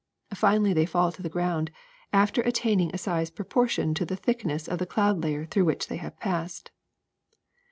Finally they fall to the ground after at taining a size proportioned to the thickness of the cloud layer through which they have passed.